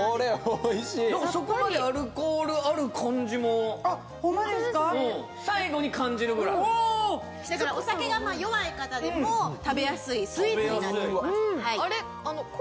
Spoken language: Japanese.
そこまでアルコールある感じもホンマですかうん最後に感じるぐらいだからお酒が弱い方でも食べやすいスイーツになっております